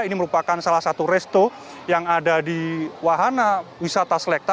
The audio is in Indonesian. ini merupakan salah satu resto yang ada di wahana wisata selekta